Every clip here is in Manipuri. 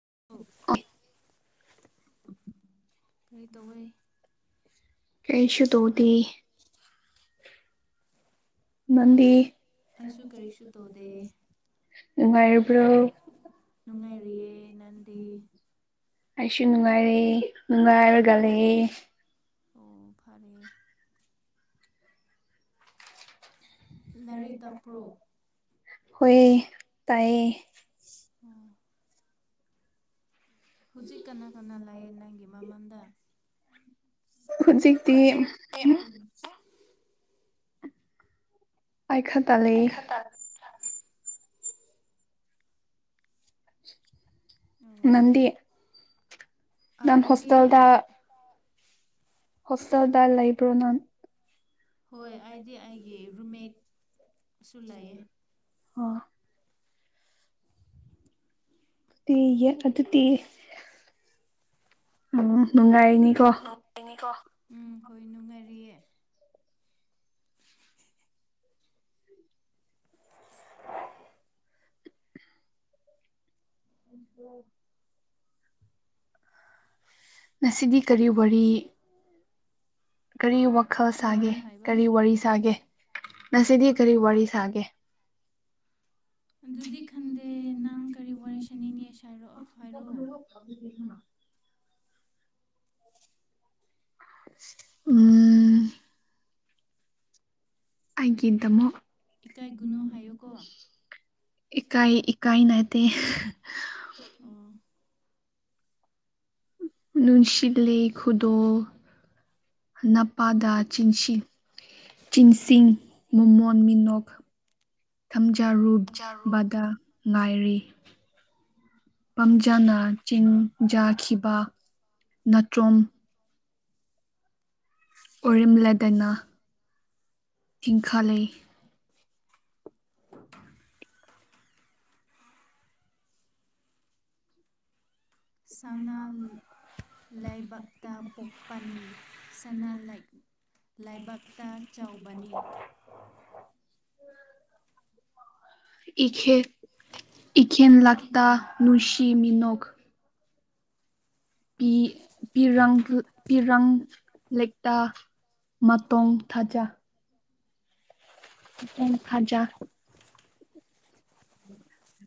[unintelligible] ꯃꯤꯣꯏꯇꯒꯣꯏ ꯀꯩꯁꯨ ꯇꯣꯗꯤꯤ ꯃꯗꯤ ꯉꯥꯏꯕꯨ꯭ꯔꯣ ꯎꯝ ꯎꯝ ꯑꯩꯁꯨ ꯅꯨꯡꯉꯥꯏꯔꯦ ꯅꯨꯡꯉꯥꯏꯔ ꯂꯛꯦ ꯑꯣ ꯐꯔꯦ ꯂꯥꯏꯔꯤꯛ ꯇꯛꯄ꯭ꯔꯣ ꯍ ꯇꯥꯏꯌꯦ ꯎꯝ ꯍꯧꯖꯤꯛ ꯀꯅꯥ ꯀꯅꯥ ꯂꯥꯛꯌꯦ ꯅꯪꯒꯤ ꯃꯃꯥꯡꯗ ꯍꯧꯖꯤꯛꯇ ꯑꯥꯏꯈ ꯇ ꯂꯩꯦ ꯉꯗꯤ ꯌꯥꯝꯝ ꯍꯣꯁꯇꯦꯜꯗ ꯍꯣꯁꯦꯜꯗꯔ ꯂꯥꯏꯕ꯭ꯔꯅꯟ ꯍꯥꯏ ꯇ ꯑꯗꯨꯗꯤ ꯣ ꯎꯝ ꯍꯣꯏ ꯅꯨꯡꯉꯥꯏꯔꯤꯌꯦ ꯎ ꯉꯁꯤꯗꯤ ꯀꯔꯤ ꯋꯥꯔꯤ ꯀꯔꯤ ꯈꯜ ꯁꯥꯒꯦ ꯀꯔꯤ ꯋꯥꯔꯤ ꯁꯥꯒꯦ ꯉꯁꯤꯗꯤ ꯀꯔꯤ ꯋꯥꯔꯤ ꯁꯥꯒꯦ ꯈ ꯎꯝ ꯑꯩꯪꯀꯤꯦ ꯇꯃꯣ ꯏꯀ ꯏꯀꯥ ꯍ ꯅꯠꯇ ꯅꯨꯡꯁꯤꯂꯤ ꯈꯨꯗꯣ ꯅꯄꯥꯗꯥ ꯆꯤꯟꯁꯤ ꯆꯤꯟꯁꯤꯡ ꯃꯣꯃꯣꯟ ꯃꯤꯅꯣꯛ ꯊꯝꯖꯥꯔꯨꯨꯞ ꯕꯥꯗꯥ ꯉꯥꯏꯔꯤ ꯄꯥꯝꯖꯅ ꯆꯤꯡꯖꯈꯤꯕ ꯅꯇ꯭ꯔꯣꯝ ꯑꯣꯔꯤꯝꯂꯥꯗꯅꯥ ꯊꯤꯡꯈꯥꯂꯩ [unintelligible] ꯁꯅꯥ ꯂꯥꯏꯕꯛꯇ ꯄꯣꯛꯄꯅꯤ ꯁꯅꯥ ꯂꯥꯏ ꯂꯥꯏꯕꯛꯇ ꯆꯥꯎꯕꯅꯤ ꯏꯈꯦꯠ ꯏꯈꯦꯟ ꯂꯥꯛꯇꯥ ꯅꯨꯨꯁꯤ ꯃꯤꯅꯣꯛ ꯄꯤ ꯄꯔꯪ ꯄꯤꯔꯪ ꯂꯥꯏꯛ ꯇ ꯃꯇꯣꯣꯡ ꯊꯥꯖ ꯅ ꯈꯖꯥ ꯑꯣ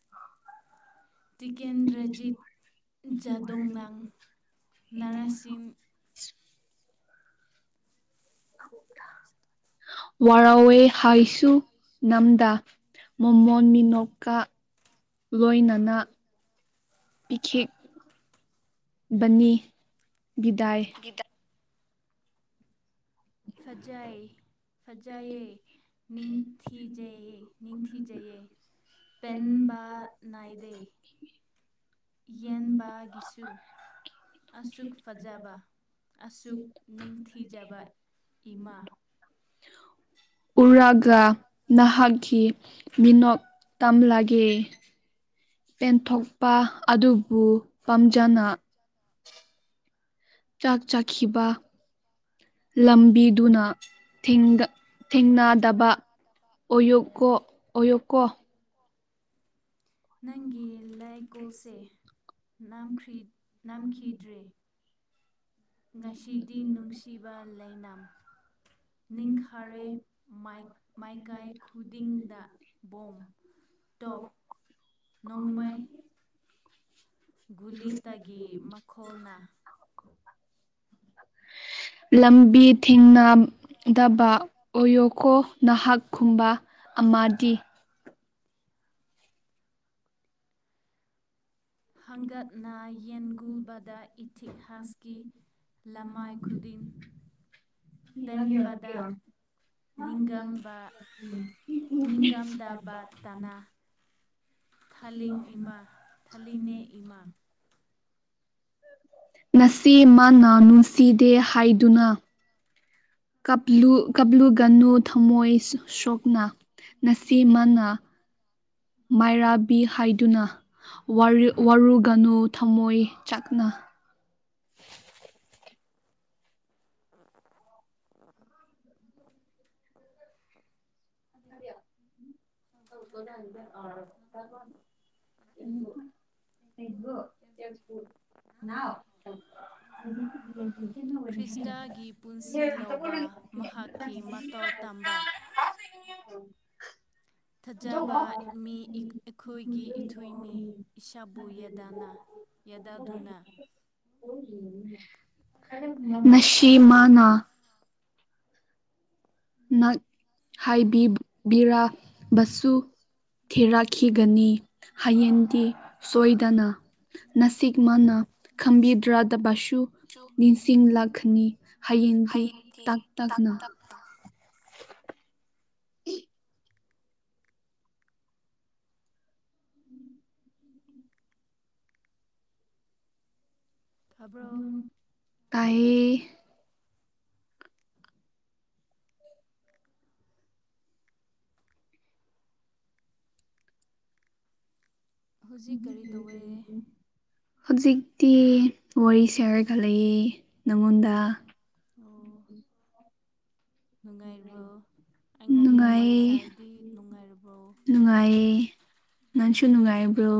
ꯎ ꯎ ꯏꯒ ꯋꯥꯔꯋꯦ ꯍꯥꯏꯁꯨ ꯅꯝꯗꯥ ꯃꯣꯃꯣꯟ ꯃꯤꯅꯣꯛꯀ ꯂꯣꯏꯅꯅ ꯄꯤꯈꯦꯛ ꯕꯅꯤ ꯕꯤꯗꯥꯏ ꯁꯖꯥꯏ ꯐꯖꯥꯌꯦ ꯅꯤꯡꯅꯤꯊꯤꯖꯌꯦ ꯅꯤꯡꯅꯤꯊꯤꯖꯌꯦ ꯄꯦꯟꯕꯥꯅꯥꯏꯗꯦ ꯌꯦꯟꯕꯒꯤꯁꯨꯨ [unintelligible] [unintelligible] ꯎꯔꯒ ꯅꯍꯥꯛꯀꯤ ꯃꯤꯅꯣꯛ ꯇꯝꯂꯥꯒꯤ ꯑꯣ ꯀꯦ ꯄꯦꯟꯊꯣꯛꯄ ꯑꯗꯨꯕꯨ ꯄꯥꯝꯖꯅ ꯆꯥꯛ ꯆꯥꯈꯤꯕ ꯂꯝꯕꯤꯗꯨꯅ ꯊꯦꯡꯅꯗꯕ ꯑꯌꯛ ꯀ ꯑꯣꯏꯌꯛ ꯀ ꯅꯪꯒꯤ ꯂꯥꯏꯀꯣꯜꯁꯦ ꯝꯈ ꯅꯝꯈꯤꯗ꯭ꯔꯦ ꯉꯁꯤꯗꯤ ꯅꯨꯡꯁꯤꯕ ꯂꯩꯅ ꯅꯤꯡꯈꯥꯔꯦ ꯃꯥꯏꯀꯥꯏ ꯈꯨꯗꯤꯡꯗ ꯕꯣꯝ ꯑꯣ ꯅꯣꯡꯃꯩ ꯒꯨꯂꯤꯇꯒꯤ ꯃꯈꯣꯅ ꯂꯝꯕꯤ ꯊꯤꯡꯅꯗꯕ ꯑꯣꯏꯌꯣꯈꯣ ꯅꯍꯥꯛꯀꯨꯝꯕ ꯑꯃꯗꯤꯗꯤ ꯍꯪꯒꯠꯅ ꯌꯦꯟꯒꯨꯕꯗ ꯏꯊꯤꯛ ꯍꯁꯀꯤ ꯂꯃꯥꯏ ꯈꯨꯗꯤꯡ ꯋꯥ ꯀꯦ ꯋꯥ [unintelligible] ꯊꯂꯤꯤꯡ ꯏꯃꯥ ꯊꯂꯤꯅꯦ ꯏꯃꯥ ꯉꯁꯤ ꯃꯥꯅ ꯅꯨꯡꯁꯤꯗꯦ ꯍꯥꯏꯗꯨꯅ ꯀꯞꯂꯨꯒꯅꯨ ꯊꯝꯃꯣꯏ ꯁꯣꯛꯅ ꯉꯁꯤꯃꯅ ꯃꯥꯏꯔꯥꯕꯤ ꯍꯥꯏꯗꯨꯅ ꯋꯥꯔꯨꯒꯅꯨ ꯊꯝꯃꯣꯏ ꯆꯥꯛꯅ [unintelligible] ꯑ ꯑꯗ ꯍ ꯍꯕꯨꯜ ꯈ [unintelligible] ꯊꯥꯖꯕ ꯃꯤ ꯑꯩꯈꯣꯏꯒꯤ ꯏꯊꯣꯏꯅꯤ ꯏꯁꯥꯕꯨ ꯌꯦꯗꯥꯅꯥ ꯌꯦꯗꯗꯨꯅ ꯅꯁꯤꯃꯅꯥ ꯅ ꯍꯥꯏꯕꯤꯕꯤꯔꯕꯁꯨ ꯊꯤꯔꯛꯈꯤꯒꯅꯤ ꯍꯌꯦꯡꯗꯤ ꯁꯣꯏꯗꯅ ꯅꯁꯤꯛ ꯃꯥꯅ ꯈꯝꯕꯤ ꯗ꯭ꯔꯥꯗꯕꯥꯁꯨ ꯅꯤꯡꯁꯤꯡꯂꯛꯈꯅꯤ ꯍꯌꯦꯡꯗꯤ ꯇꯛ ꯇꯛꯅ ꯇꯥꯕꯔꯣ ꯀꯥꯏ ꯐꯁ ꯍꯧꯖꯤꯛꯇꯤ ꯋꯥꯔꯤ ꯁꯦꯔꯒꯠꯂꯛꯏ ꯅꯪꯉꯣꯟꯗ ꯎꯝ ꯎ ꯎꯝ ꯑꯩꯉꯣꯟꯗ ꯋꯥꯔꯤ ꯁꯥꯔꯗꯤ ꯅꯨꯡꯉꯥꯏꯔꯕ꯭ꯔꯣ ꯅꯥꯟꯁꯨꯨꯅꯅꯨꯡꯉꯥꯏꯕ꯭ꯔꯣ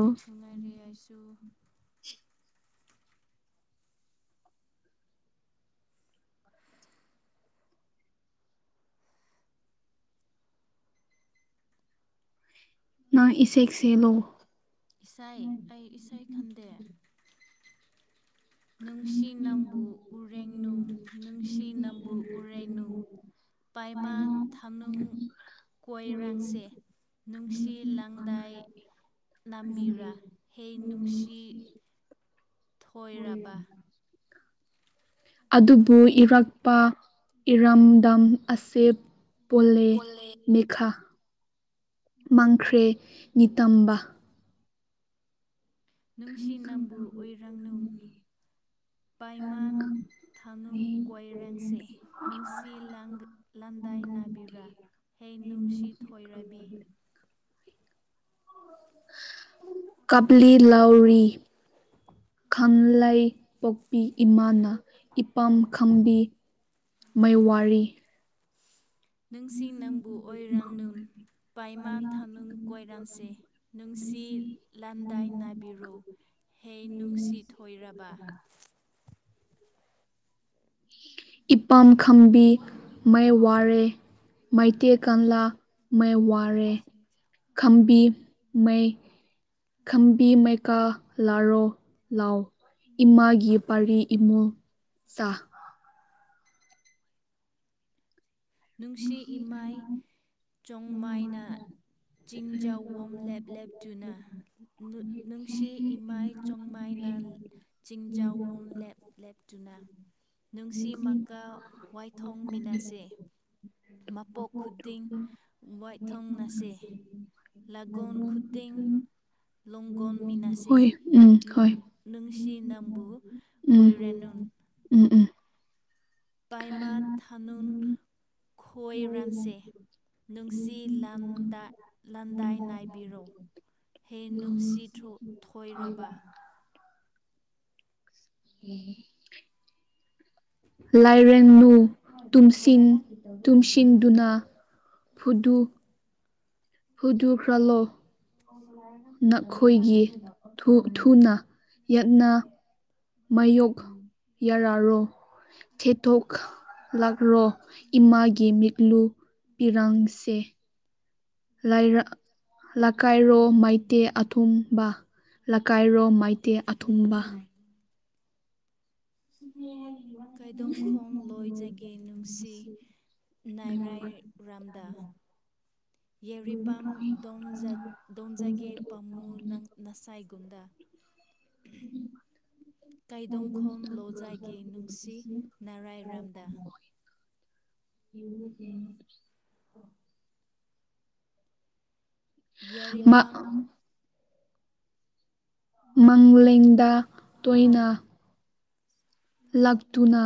ꯅ ꯏꯦꯛꯁꯦꯂꯣ ꯅꯨꯡꯁꯤ ꯅꯝꯕꯨ ꯎꯔꯦꯡꯅꯨꯡ ꯅꯨꯡꯁꯤ ꯅꯝꯕꯨ ꯎꯔꯦꯡꯅꯨꯡ ꯄꯥꯏꯃꯥ ꯊꯅꯨꯡ ꯀꯣꯏꯔꯥꯡꯁꯦ ꯅꯨꯡꯁꯤ ꯁꯤ ꯂꯪꯗꯥꯏ ꯅꯝꯕꯤꯔꯥ ꯍꯦ ꯅꯨꯡꯁꯤ ꯊꯣꯏꯕꯥ ꯑꯗꯨꯕꯨ ꯏꯔꯛꯄ ꯏꯔꯝꯗꯝ ꯑꯁꯦ ꯄꯣꯜꯂꯦ ꯃꯤꯈꯥ ꯃꯥꯡꯈ꯭ꯔꯦ ꯅꯤꯇꯝꯕ ꯅꯨꯡꯁꯤ ꯅꯝꯕꯨ ꯑꯣꯏꯔꯥꯡꯅꯨꯡ ꯄꯥꯏꯃꯥꯟ ꯊꯥꯅꯨꯡ ꯀꯣꯏꯔꯦꯡꯁꯦ ꯅꯨꯡꯁꯤ ꯂ ꯂ ꯈꯨꯟꯗꯥꯏ ꯅꯥꯕꯤꯔꯥ ꯑꯩ ꯃꯖꯤꯀ [unintelligible] ꯀꯞꯂꯤ ꯂꯥꯎꯔꯤ ꯀꯪꯂꯩ ꯄꯣꯛꯄꯤ ꯏꯃꯥꯅ ꯏꯄꯥꯝ ꯈꯝꯕꯤ ꯃꯩꯋꯥꯏꯔꯤ ꯅꯨꯡꯁꯤ ꯅꯪꯕꯨ ꯑꯣꯏꯔꯥꯡꯅꯨ ꯄꯥꯏꯃꯥ ꯊꯥꯅꯨꯡ ꯀꯣꯏꯔꯥꯟꯁꯦ ꯅꯨꯡꯁꯤ ꯂꯥꯟꯗꯥꯏ ꯅꯥꯏꯕꯤꯔꯣ ꯍꯦ ꯅꯨꯡꯁꯤ ꯊꯣꯏꯔꯕ ꯏꯄꯥꯝ ꯈꯝꯕꯤ ꯃꯩ ꯋꯥꯏꯔꯦ ꯃꯩ ꯇꯩ ꯀꯪꯟꯂ ꯃꯋꯥꯏ ꯔꯦ ꯈꯝꯕꯤ ꯃꯩ ꯈꯝꯕꯤ ꯃꯩꯀꯥ ꯂꯥꯔꯣ ꯂꯥꯎ ꯏꯃꯥꯒꯤ ꯄꯥꯔꯤ ꯏꯃꯨꯡ ꯁꯥ ꯅꯨꯡꯁꯤ ꯏꯃꯥꯏ ꯆꯣꯡꯃꯥꯏꯅ ꯆꯤꯡꯖꯥꯎꯋꯝ ꯂꯦꯞ ꯂꯦꯞꯇꯨꯅ ꯅꯨꯡꯁꯤ ꯏꯃꯥꯏ ꯆꯣꯡꯃꯥꯏꯅ ꯆꯤꯡꯖꯥꯎꯋꯝ ꯂꯦꯞ ꯂ‌ꯦꯞꯇꯨꯅ ꯅꯨꯡꯁꯤꯃꯛꯀ ꯋꯥꯏꯊꯣꯡꯃꯤꯟꯅꯁꯦ ꯃꯄꯣꯛ ꯈꯨꯗꯤꯡ ꯋꯥꯏꯊꯨꯡꯅꯁꯦ ꯂꯎ ꯈꯠꯇ [unintelligible] ꯍꯣꯏ ꯎꯝ ꯍꯣꯏ ꯎꯨꯔꯩꯟꯅꯨ ꯎꯝ ꯎꯝ ꯄꯥꯏꯃ ꯊꯅꯨꯡ ꯈꯣꯏ ꯔꯟꯁꯦ ꯅꯨꯡꯁꯤ ꯂꯥꯟꯗꯥ ꯂꯥꯟꯗꯥꯏ ꯅꯥꯏꯕꯤꯔꯣ ꯍꯦ ꯅꯨꯡꯁꯤ ꯊꯣꯏꯔꯕ ꯎꯝ ꯂꯥꯏꯔꯦꯡꯅꯨ ꯇꯨꯝꯁꯤꯟ ꯇꯨꯝꯁꯤꯟꯗꯨꯅ ꯐꯨꯗꯨ ꯍꯧꯗꯈ꯭ꯔꯜꯂꯣ [unintelligible] ꯅꯈꯣꯏꯒꯤ ꯊꯨꯅ ꯌꯦꯠꯅ ꯃꯥꯌꯣꯛ ꯌꯥꯔꯥꯔꯣ ꯇꯩꯊꫭꯛꯂꯥꯔꫭ ꯏꯃꯥꯒꯤ ꯃꯤꯠꯂꯨ ꯄꯤꯔꯥꯡꯁꯦ ꯂꯀꯥꯏꯔꯣ ꯃꯩꯇꯩ ꯑꯊꯧꯕ ꯀꯥꯏꯔꯣ ꯃꯥꯏꯇꯩ ꯑꯊꯧꯕ ꯍꯝ [unintelligible] ꯀꯩꯗꯧ ꯈꯣꯝ ꯑꫭꯏꯖꯒꯦ ꯅꯨꯡꯁꯤ ꯅꯥꯏꯔꯥꯏ ꯔꯥꯝꯗꯥ ꯌꯥꯧꯔꯤꯄꯝ ꯗꯣꯝꯖꯒꯦ ꯄꯥꯝꯃꯨ ꯅꯁꯥꯏ ꯀꯨꯝꯗ ꯎ [unintelligible] [unintelligible] [unintelligible] ꯏꯕꯨ [unintelligible] ꯌꯥꯔꯤꯄꯥꯝ [unintelligible] ꯃꯗ ꯇꯣꯏꯅꯥ [unintelligible] ꯂꯛꯇꯨꯅ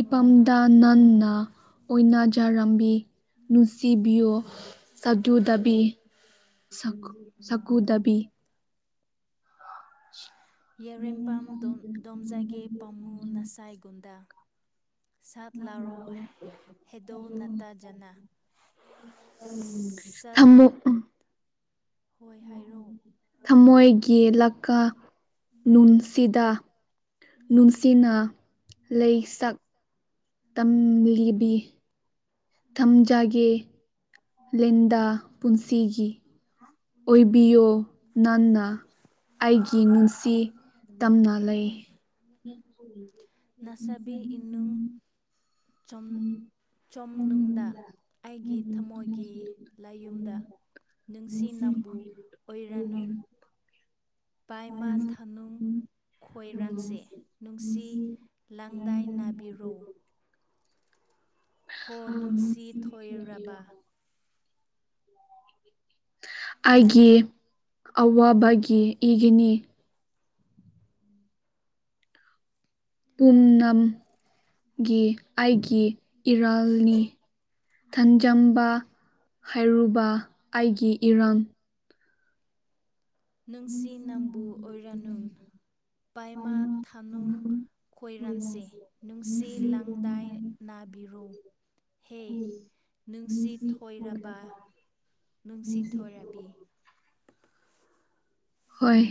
ꯏꯄꯝꯗ ꯅꯟꯅ ꯑꯣꯏꯅꯖꯔꯝꯕꯤ ꯅꯨꯡꯁꯤꯕꯤꯌꯣ ꯁꯗꯨꯎ ꯗꯕꯤ ꯁꯀꯨꯗꯕꯤ ꯃꯤ ꯎ ꯊꯃꯨ ꯊꯃꯣꯏꯒꯤ ꯂꯛꯀ ꯅꯨꯡꯁꯤꯗ ꯅꯨꯡꯁꯤꯅ ꯂꯩ ꯁꯛ ꯇꯝꯂꯤꯕꯤ ꯊꯝꯖꯒꯦ ꯂꯦꯟꯗꯥ ꯄꯨꯟꯁꯤꯒꯤ ꯑꯣꯏꯕꯤꯌꯣ ꯅꯥꯟꯅꯥ ꯑꯩꯒꯤ ꯟꯁꯤ ꯇꯝꯅ ꯂꯩ ꯎꯝ ꯆ ꯆꯣꯝꯅꯨꯡꯗ ꯑꯩꯒꯤ ꯊꯃꯣꯏꯒꯤ ꯂꯥꯏꯌꯨꯝꯗ ꯅꯨꯡꯁꯤ ꯅꯝꯕꯨ ꯑꯣꯏꯔꯥꯅꯨ ꯄꯥꯏꯃꯥ ꯊꯥꯅꯅꯨꯡ ꯈꯣꯏꯔꯥꯟꯁꯦ ꯅꯨꯡꯁꯤ ꯂꯥꯡꯗꯥꯏ ꯅꯥꯕꯤꯔꯣ ꯍꯣ ꯅꯨꯡꯁꯤ ꯊꯣꯏꯔꯕ ꯑꯩꯒꯤ ꯑꯋꯥꯕꯒꯤ ꯏꯒꯤꯅꯤ ꯄꯨꯝꯅꯝꯒꯤ ꯑꯩꯒꯤ ꯏꯔꯥꯜꯅꯤ ꯊꯟꯖꯝꯕ ꯍꯥꯏꯔꯨꯕ ꯑꯩꯒꯤ ꯏꯔꯥꯡ ꯅꯨꯡꯁꯤ ꯅꯝꯕꯨ ꯑꯣꯏꯔꯥꯅꯨ ꯄꯥꯏꯃꯥ ꯊꯥꯅꯨꯡ ꯈꯣꯏꯔꯟꯁꯦ ꯅꯨꯡꯁꯤ ꯂꯥꯡꯗꯥꯏ ꯅꯥꯕꯤꯔꯨ ꯍꯦ ꯅꯨꯡꯁꯤꯠ ꯊꯣꯏꯔꯕ ꯅꯨꯡꯁꯤꯊꯔꯕꯤ ꯍꯣꯏ